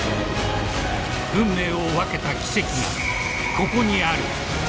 ［運命を分けた奇跡がここにある］